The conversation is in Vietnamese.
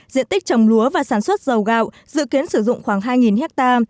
diện tích trồng lúa và sản xuất dầu gạo dự kiến sử dụng khoảng hai ha